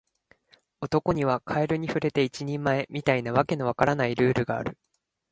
男にはカエルに触れて一人前、みたいな訳の分からないルールがある